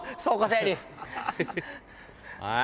はい。